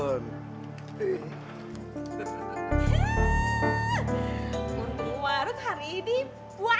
untung warut hari ini banyak